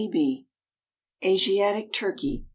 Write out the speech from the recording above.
46. ASIATIC TURKEY.